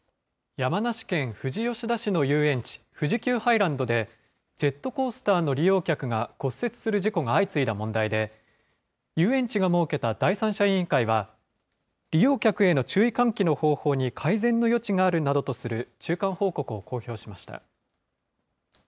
山梨県富士吉田市の遊園地、富士急ハイランドで、ジェットコースターの利用客が骨折する事故が相次いだ問題で、遊園地が設けた第三者委員会は、利用客への注意喚起の方法に改善の余地があるなどとする中間報告を公表しました。